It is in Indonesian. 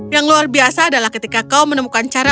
yang luar biasa adalah ketika kau menemukan cara